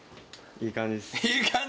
「いい感じっす」。